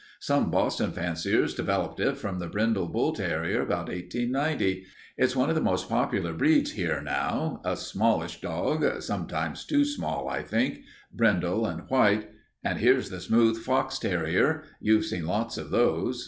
Some Boston fanciers developed it from the brindle bull terrier about 1890. It's one of the most popular breeds here now. A smallish dog sometimes too small, I think brindle and white. And here's the smooth fox terrier. You've seen lots of those.